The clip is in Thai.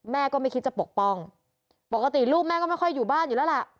แม่ก็ไม่คิดจะปกป้องปกติลูกแม่ก็ไม่ค่อยอยู่บ้านอยู่แล้วล่ะ